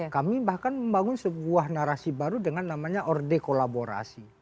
kami bahkan membangun sebuah narasi baru dengan namanya orde kolaborasi